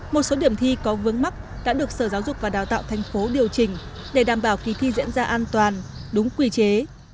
một số điểm thi có vướng mắc đã được sở giáo dục và đào tạo thành phố điều chỉnh để đảm bảo kỳ thi diễn ra an toàn đúng quy chế